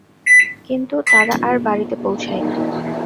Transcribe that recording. কিন্তু তারা আর বাড়িতে পৌঁছায়নি?